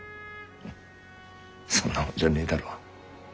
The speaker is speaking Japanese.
そんなもんじゃねえだろ。